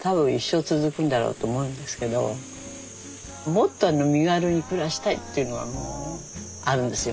もっと身軽に暮らしたいっていうのはあるんですよ